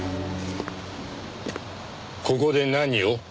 ここで何を？